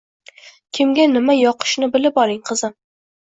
Kimga nima yoqishini bilib oling, qizim